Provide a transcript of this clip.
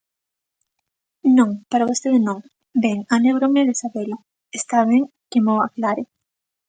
Non, para vostede non, ben, alégrome de sabelo, está ben que mo aclare.